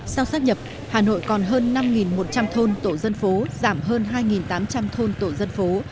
sau sát nhập hà nội còn hơn năm một trăm linh thôn tổ dân phố giảm hơn hai tám trăm linh thôn tổ dân phố